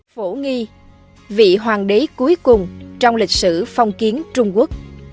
phổ nghi vị hoàng đế cuối cùng trong lịch sử phong kiến trung quốc